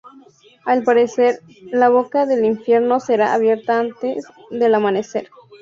Al parecer, la boca del infierno será abierta antes del amanecer.